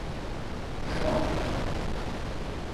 Şu an!